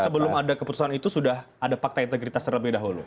sebelum ada keputusan itu sudah ada fakta integritas terlebih dahulu